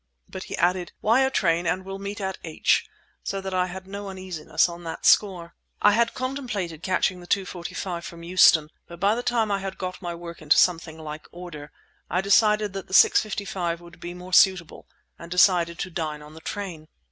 But he added "Wire train and will meet at H—"; so that I had no uneasiness on that score. I had contemplated catching the 2:45 from Euston, but by the time I had got my work into something like order, I decided that the 6:55 would be more suitable and decided to dine on the train.